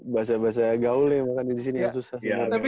bahasa bahasa gaulnya yang makannya disini yang susah